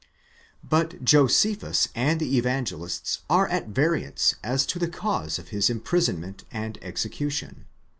But Josephus and the Evangelists are at variance as to the cause of his im prisonment and execution.